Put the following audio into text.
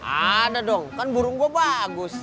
ada dong kan burung gue bagus